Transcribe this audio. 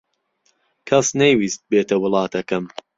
کەس نەیویست بێتە وڵاتەکەم.